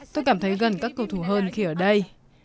tôi cảm thấy gần các cầu thủ hơn khi ở đây